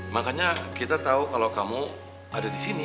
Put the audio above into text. makanya kita tau kalo kamu ada disini